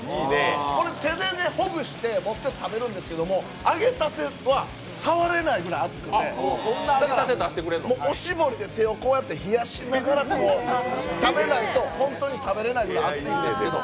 これ手でほぐして食べるんですけど揚げたては触れないくらい熱くて、おしぼりでこうやって手を冷やしながら食べないと本当に食べられないぐらい熱いんですけど、